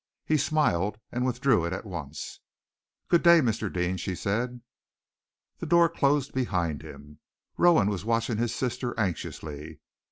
He smiled, and withdrew it at once. "Good day, Mr. Deane!" she said. The door closed behind him. Rowan was watching his sister anxiously.